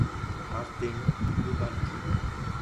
Martín Yupanqui